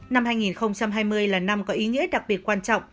năm hai nghìn hai mươi là năm có ý nghĩa đặc biệt quan trọng